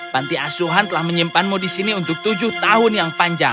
panti asuhan telah menyimpanmu di sini untuk tujuh tahun yang panjang